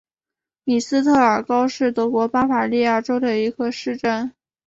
米斯特尔高是德国巴伐利亚州的一个市镇。